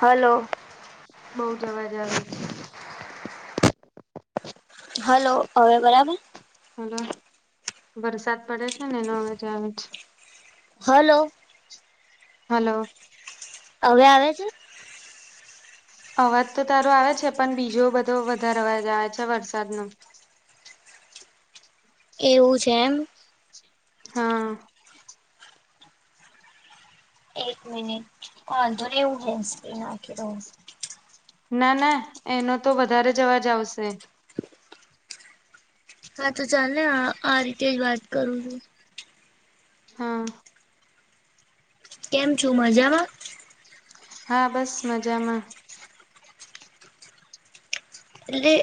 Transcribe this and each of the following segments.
Hello! બઉ જ અવાજ આવે છે. હલો! હવે બરાબર? હલો! વરસાદ પડે છે ને એનો અવાજ આવે છે. હલો! હલો! અવે આવે છે? અવાજ તો તારો આવે છે, પણ બીજો બધો વધાર અવાજ આવે છે વરસાદનો. એવું છે એમ. હા. એક મિનિટ વાંધો ની હુ હેનસિપ્રી નાખી દઉ. ના, ના, એનો તો વધારે જ અવાજ આવશે. હા, તો ચાલ ને આ આ રીતે જ વાત કરું છું. હા. કેમ છું? મજામાં? હા, બસ મજામાં. લે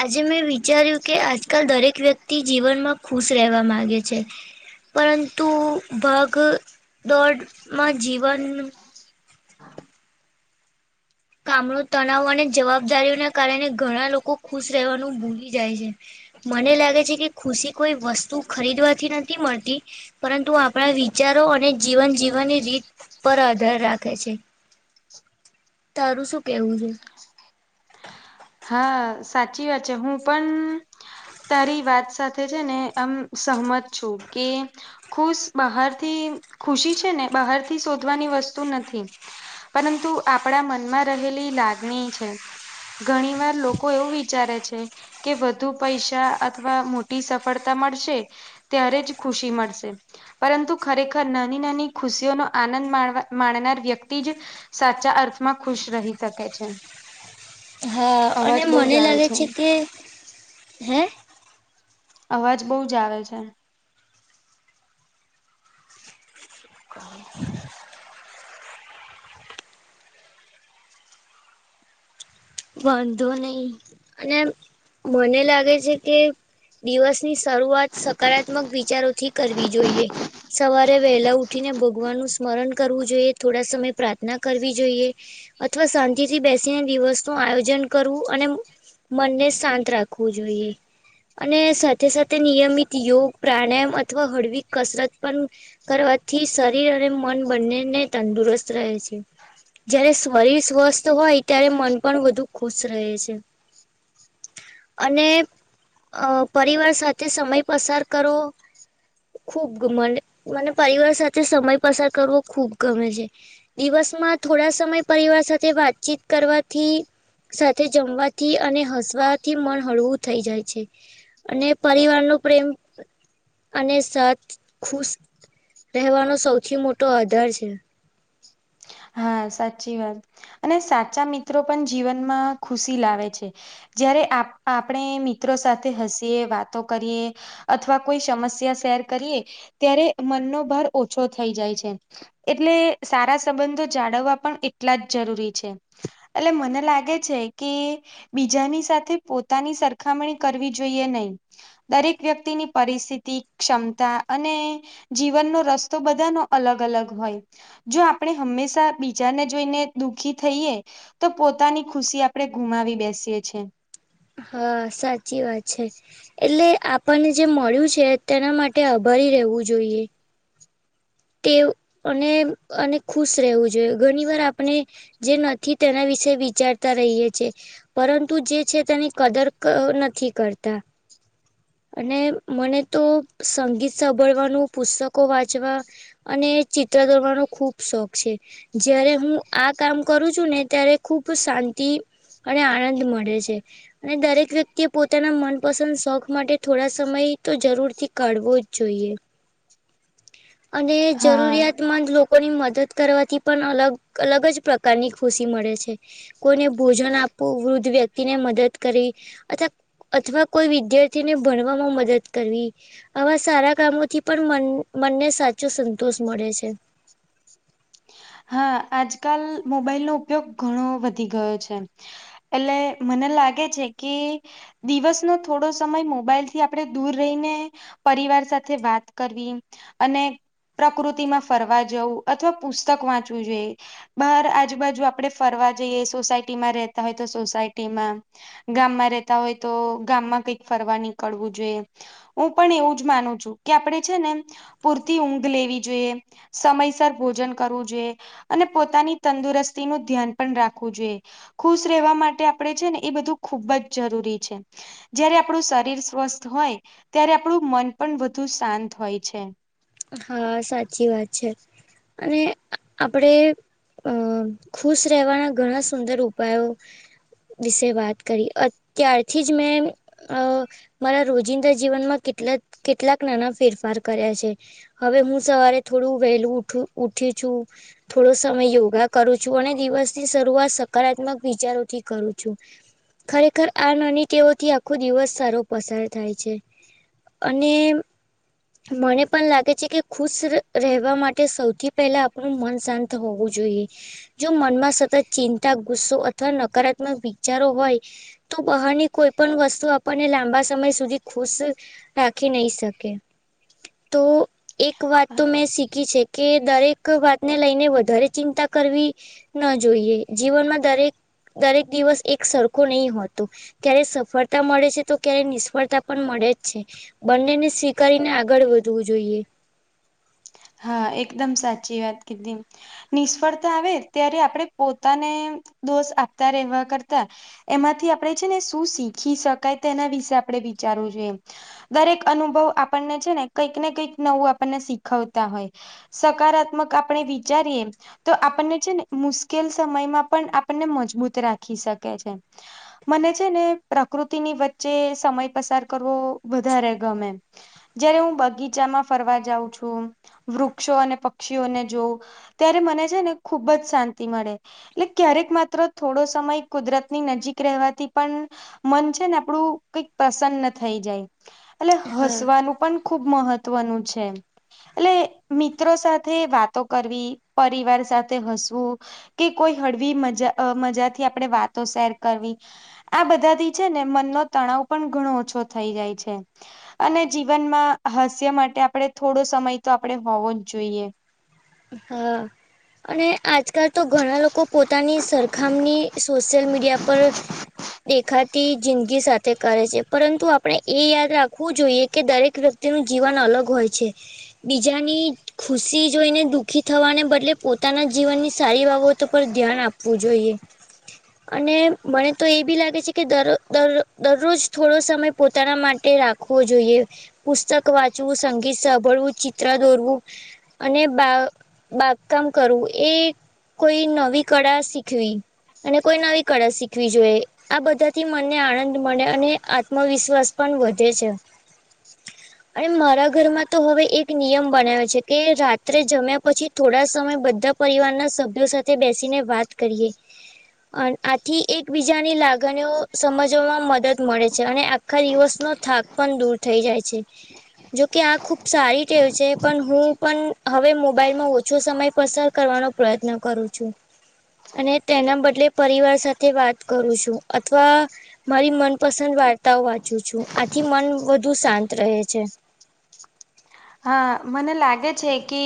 આજે મેં વિચાર્યું કે, આજકાલ દરેક વ્યક્તિ જીવનમાં ખુશ રેવા માંગે છે. પરંતુ ભાગ દોડમાં જીવન કામનુ તણાવ અને જવાબદારીઓના કારણે ઘણા લોકો ખુશ રેવાનું ભૂલી જાય છે. મને લાગે છે કે, ખુશી કોઈ વસ્તુ ખરીદવાથી નથી મળતી પરંતુ આપણા વિચારો અને જીવન જીવવાની રીત પર આધાર રાખે છે. તારું શું કેવું છે? હા, સાચી વાત છે, હું પણ તારી વાત સાથે છે ને આમ સહમત છું કે ખુશ બહારથી, ખુશી છે ને બહારથી શોધવાની વસ્તુ નથી. પરંતુ આપડા મનમાં રહેલી લાગણી છે. ઘણીવાર લોકો એવું વિચારે છે કે વધુ પૈસા અથવા મોટી સફળતા મળશે ત્યારે જ ખુશી મળશે. પરંતુ ખરેખર નાની-નાની ખુશીઓનો આનંદ માણવા માણનાર વ્યક્તિ જ સાચા અર્થમાં ખુશ રહી શકે છે. હા, અને અવાજ બહુ જ મને આવે લાગે છે કે હે? અવાજ બઉ જ આવે છે. [inaudible] વાંધો નઈ, અને મને લાગે છે કે દિવસની શરૂઆત સકારાત્મક વિચારોથી કરવી જોઈએ. સવારે વહેલા ઉઠીને ભગવાનનું સ્મરણ કરવું જોઈએ, થોડા સમય પ્રાર્થના કરવી જોઈએ. અથવા શાંતિથી બેસીને દિવસ શું આયોજન કરવું અને મનને શાંત રાખવું જોઈએ. અને સાથે-સાથે નિયમિત યોગ, પ્રાણાયામ અથવા હળવી કસરત પણ કરવાથી શરીર અને મન બંનેને તંદુરસ્ત રહે છે. જયારે શરીર સ્વસ્થ હોય ત્યારે મન પણ વધુ ખુશ રહે છે. અને અ પરિવાર સાથે સમય પસાર કરો ખુબ ઘમન્ડ મને પરિવાર સાથે સમય પસાર કરવો ખૂબ ગમે છે. દિવસમાં થોડા સમય પરિવાર સાથે વાતચીત કરવા થી, સાથે જમવાથી અને હસવાથી મન હળવું થઈ જાય છે. અને પરિવારનો પ્રેમ અને સાથ ખુશ રહેવાનો સૌથી મોટો આધાર છે. હા, સાચી વાત. અને સાચા મિત્રો પણ જીવનમાં ખુશી લાવે છે. જયારે આપ-આપણે મિત્રો સાથે હસીએ વાતો કરીએ અથવા કોઈ સમસ્યા શેર કરીએ, ત્યારે મનનો ભાર ઓછો થઈ જાય છે. એટલે સારા સંબંધો જાળવા પણ એટલા જ જરૂરી છે. એટલે મને લાગે છે કે બીજાની સાથે પોતાની સરખામણી કરવી જોઈએ નઈ. દરેક વ્યક્તિની પરિસ્થિતિ ક્ષમતા અને જીવનનો રસ્તો બધાનો અલગ અલગ હોય જો આપણે હંમેશા બીજાને જોઈને દુઃખી થઈએ તો પોતાની ખુશી આપડણે ગુમાવી બેસીએ છ છેએ હા સાચી વાત છે એટલે આપણને જે મળ્યું છે તેના માટે આભારી રહેવું જોઈએ તે અને અને ખુશ રહેવું જોઈએ ઘણી વાર આપણે જે નથી તેના વિશે વિચારતા રહીએી પરંતુ જે છે તેની કદર નથી કરતા અને મને તો સંગીત સાંભળવાનું પુસ્તકો વાંચવા અને ચિત્ર દોરવાનો ખુબ શોખ છે જારે હું આ કામ કરું છું ને ત્યારે ખુબ શાંતિ અને આનંદ મળે છે અને દરેક વ્યક્તિએ પોતાના મનપસંદ શોખ માટે થોડા સમય તો જરૂર થી કાઢવો જ જોઈએ અને હા. જરૂરિયાત ંદ લોકોની મદદ કરવાથી પણ અલગ અલગ જ પ્રકારની ખુશી મળે છે કોઈને ભોજન આપવું વૃદ્ધ વ્યક્તિ ને મદદ કરી અથવા અથવા કોઈ વિદ્યાર્થીને ભણવામાં મદદ કરવી આવા સારા કામોથી પણ મનને સાચો સંતોષ મળે છે હા આજકાલ મોબાઈલનોો ઉપયોગ ઘણો વધી ગયો છે એટલે મને લાગે છે કે દિવસનોો થોડો સમય મોબાઈલ થી આપણે દૂર રહીને પરિવાર સાથે વાત કરવી અને પ્રકૃતિમાં ફરવા જવું અથવા પ પુસ્તક વાંચવું જોઈએ બહાર આજુબાજુ આપડે ફરવા જઈએ સોસાયટીમાં રહેતા હોય તો સોસાયટીમાં ગામમાં રેતા હોય તો ગામમાં કઈક ફરવા નીકળવું જોઈએ હું પણ એવું જ માનું છું કે આપડે છે નેમ પૂરતી ઊંઘ લેવી જોઈએ સમયસર ભોજન કરવું જોઈ અને પોતાની તંદુરસ્તી નું ધ્યાન પણ રાખવું જોઈએ ખુશ રહેવા માટે આપણે છે ને એ બધું ખૂબ જ જરૂરી છે જય્યારે આપણું શરીર સ્વસ્થ હોય ત્યારે આપણું મન પણ વધુ શાંત હોય છે હા સાચી વાત છે અને આપડે અ ખુશ રહેવાના ઘણા સુંદર ઉપાયો વિશે વાત કરી અત્યારથી જ મેં અ મારા રોજિંદા જીવનમાં કેટલા કેટલાક નાના ફેરફાર કર્યા છે હવે હું સવારે થોડું વહેલું ઉઠું ઉઠી છું થોડો સમય યોગા કરું છું અને દિવસની શરૂઆત સકારાત્મક વિચારોથી કરું છું ખરેખર આ નાની તેઓથી આખો દિવસ સારો પસાર થાય છે અને મને પણ લાગે છે કે ખુશ રહેવા માટે સૌથી પહેલા આપણું મન શાંત હોવું જોઈએ જો મનમાં સતત ચિંતા ગુસ્સો અથવા નકારાત્મક વિચારો હોય તો બહારની કોઈ પણ વસ્તુ આપણને લાંબા સમય સુધી ખુશ રાખી નહી શકે તો એક વાત તો મેં શીખી છે કે દરેક વાતને લઈને વધારે ચિંતા કરવી ન જોઈએ જીવનમાં દરેક દરેક દિવસ એક સરખો નહી હોતો ક્યારે સફળતા મળે છે તો ક્યારે નિષ્ફળતા પણ મળે જ છે બંનેને સ્વીકારીને આગળ વધવું જોઈએ હા એકદમ સાચી વાત કધમ નિષ્ફળતા આવે ત્યારે આપણે પોતાને દોષ આપતા રહેવા કરતા એમાંથી આપણે છે ને શું શીખી શકાય તેના વિશે આપણે વિચારવું જોઈએ દરેક અનુભવ આપણને છે ને કંઈક ને કંઈક નવું આપણને શીખવતા હોય સકારાત્મક આપણે વિચારીએ તો આપણને છે ને મુશ્કેલ સમયમાં પણ આપણને મજબૂત રાખી શકે છે. મને છે ને પ્રકૃતિની વચ્ચે સમય પસાર કરવો વધારે ગમે છે. જયારે હું બગીચામાં ફરવા જાઉં છું વૃક્ષો અને પક્ષીઓને જોઉં ત્યારે મને છે ને ખુબ જ શાંતિ મળે. એટલે ક્યારેક માત્ર થોડો સમય કુદરતની નજીક રહેવાથી પણ મન છે ને આપડું કઈક પ્રસન્ન થઈ જાય. એટલે હા હસવાનું પણ ખુબ મહત્વનું છે. એટલે મિત્રો સાથે વાતો કરવી પરિવાર સાથે હસવું કે કોઈ હળવી મજા મજા થી આપણેે વાતો શેર કરવી આ બધાથી છે ને મનનો તણાવ પણ ઘણો ઓછો થઈ જાય છે. અને જીવનમાં હાસ્ય માટે આપણે થોડો સમય તો આપણે હોવો જ જોઈએ. હા. અને આજકાલ તો ઘણા લોકો પોતાની સરખામની સોશિયલ મીડિયા પર દેખાતી જિંદગી સાથે કરે છે પરંતુ આપણે એ યાદ રાખવું જોઈએ કે દરેક વ્યક્તિ તેનું જીવન અલગ હોય છે બીજાની ખુશી જોઈને દુખ દખી થવાને બદલે પોતાના જીવનની સારી બાબતો પર ધ્યાન આપવું જોઈએ. અને મને તો એ બી લાગે છે કે દર દરરોજ થોડો સમય પોતાના માટે રાખ વો જોઈએ પુસ્તક વાંચવું, સંગીત સાંભળવું, ચિત્ર દોરવું અને બા બાંધકામ કરવું એ કોઈ નવી કળા શીખવી અને કોઈ નવી કળા શીખવી જોઈએ. આ બધાથી મનને આનંદ મળે અને આત્મવિશ્વાસ પણ વધે છે. અને મારા ઘરમાં તો હવે એક નિયમ બનાવે છે કે રાત્રે જમ્યા પછી થોડા સમય બધા પરિવારના સભ્યો સાથે બેસીને વાત કરીએ. આથી એકબીજાની લાગણીઓ સમજવામાં મદદ મળે છે અને આખા દિવસનો થાક પણ દૂર થઈ જાય છે. જોકે આ ખુબ સારી ટેવ છે, પણ હું પણ હવે મોબાઈલમાં ઓછો સમય પસાર કરવાનો પ્રયત્ન કરું છું. અને તેના બદલે પરિવાર સાથે વાત કરું છું અથવા મારી મનપસંદ વાર્તાઓ વાંચું છું આથી મન વધુ શાંત રહે છે. હા મને લાગે છે કે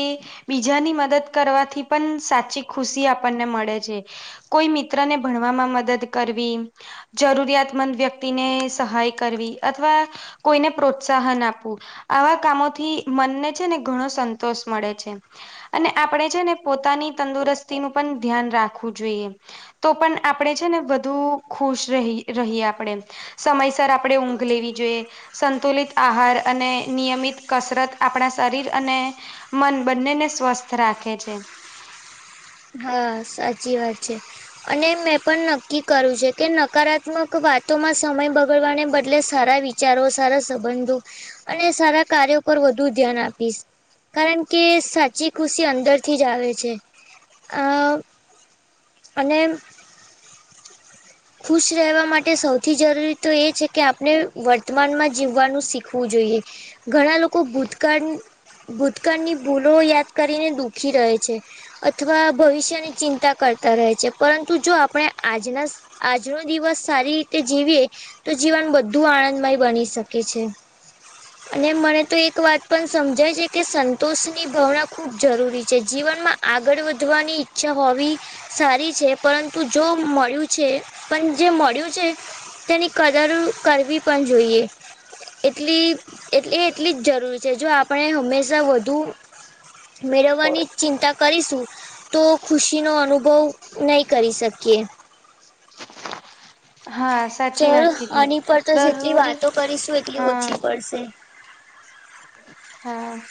બીજાની મદદ કરવાથી પણ સાચી ખુશી આપણને મળે છે. કોઈ મિત્ર ને ભણવામાં મદદ કરવી જરૂરિયાતમંદ વ્યક્તિને સહાય કરવી અથવા કોઈને પ્રોત્સાહન આપવું આવા કામોથી મનને છે ને ઘણો સંતોષ મળે છે. અને આપણે છે ને પોતાની તંદુરસ્તીનું પણ ધ્યાન રાખવું જોઈએ. તો પણ આપણેે છે, ને વધુ ખુશ રહી રહીએ આપણેે. સમયસર આપણેે ઊંઘ લેવી જોઈએ સંતુલિત આહાર અને નિયમિત કસરત આપણા શરીર અને મન બંનેને સ્વસ્થ રાખે છે. હા સાચી વાત છે અને મે પણ નક્કી કરું છે કે નકારાત્મક વાતોમાં સમય બગડવાને બદલે સારા વિચ વિચારો સારા સંબંધો અને સારા કાર્યો પર વધુ ધ્યાન આપીશ. કારણ કે સાચી ખુશી અંદર થી જ આવે છે. અ અને [unintelligible] ખુશ રહેવા માટે સૌથી જરૂરી તો એ છે કે આપણે વર્તમાનમાં જીવવાનું શીખવું જોઈએ. ઘણા લોકો ભૂતકાળ ભૂતકાળની ભૂલો યાદ કરીને દુઃખી રહે છે. અથવા ભવિષ્યની ચિંતા કરતા રહે છે, પરંતુ જો આપણે આજના આજનો દિવસ સારી રીતે જીવીએ તો જીવન બધુ આનંદમય બની શકે છે. [inaudible] અને મને તો એક વાત પન સમજાય છે, કે સંતોષની ભવના ખૂબ જરૂરી છે જીવનમાં આગળ વધવાની ઈચ્છા હોવી સારી છે, પરંતુ જો મળ્યું છે, પન જે મળ્યું છે તેની કદર કરવી પન જોઈએ. એટલી એટલે એટલી જ જરૂરી છે, જો આપણે હંમેશા વધુ મેળવવાની ચિંતા કરીશું તો ખુશીનો અનુભવ નહીં કરી શકીએ. હા સાચી ચલો વાત કીધી આની પર તો જેટલી દરરોજ વાતો કરીશું એટલી હા ઓછી પડશે. હા.